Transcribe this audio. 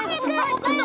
わかった！